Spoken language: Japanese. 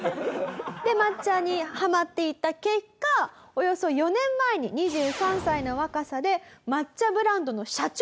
で抹茶にハマっていった結果およそ４年前に２３歳の若さで抹茶ブランドの社長になってしまったという。